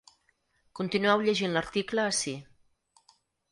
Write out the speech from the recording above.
Continueu llegint l’article ací.